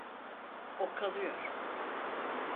O kalıyor.